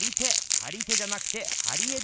張り手じゃなくて貼り絵です！